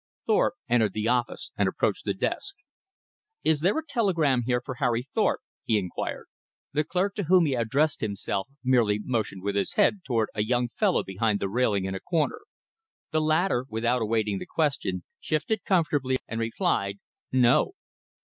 Thorpe entered the office and approached the desk. "Is there a telegram here for Harry Thorpe?" he inquired. The clerk to whom he addressed himself merely motioned with his head toward a young fellow behind the railing in a corner. The latter, without awaiting the question, shifted comfortably and replied: "No."